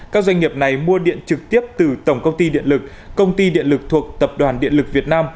các doanh nghiệp này mua điện trực tiếp từ tổng công ty điện lực công ty điện lực thuộc tập đoàn điện lực việt nam